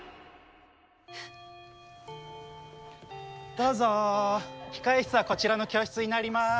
どうぞ控え室はこちらの教室になります。